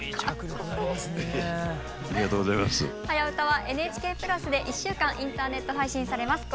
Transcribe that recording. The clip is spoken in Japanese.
「はやウタ」はＮＨＫプラスで１週間インターネット配信されます。